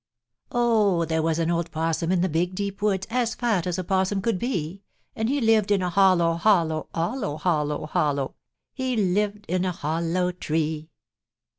Oh, there was an old 'Possum in the Big Deep Woods As fat as a 'Possum could be And he lived in a hollow, hollow, hollow, hollow, hollow, He lived in a hollow tree.